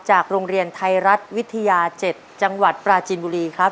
โรงเรียนไทยรัฐวิทยา๗จังหวัดปราจินบุรีครับ